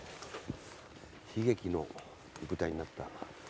悲劇の舞台になった。